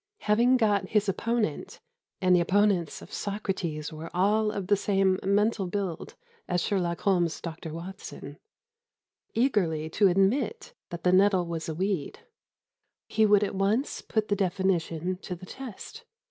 Having got his opponent and the opponents of Socrates were all of the same mental build as Sherlock Holmes's Dr Watson eagerly to admit that the nettle was a weed, he would at once put the definition to the test.